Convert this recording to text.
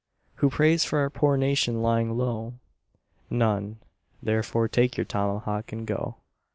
Who prays for our poor nation lying low? None therefore take your tomahawk and go.